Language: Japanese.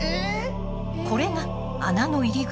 これが穴の入り口。